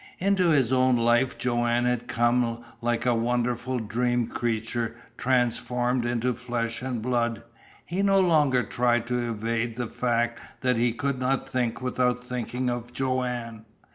Into his own life Joanne had come like a wonderful dream creature transformed into flesh and blood. He no longer tried to evade the fact that he could not think without thinking of Joanne.